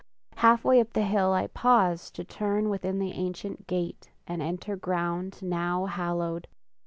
half way up the hill I pause To turn within the ancient gate And enter ground now hallowéd!